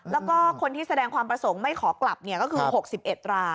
แล้วก็คนที่แสดงความประสงค์ไม่ขอกลับก็คือ๖๑ราย